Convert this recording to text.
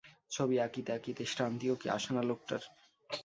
ছবি আঁকিতে আঁকিতে শ্রান্তিও কি আসে না লোকটার!